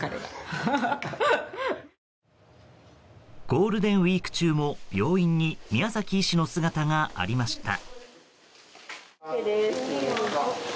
ゴールデンウィーク中も病院に宮崎医師の姿がありました。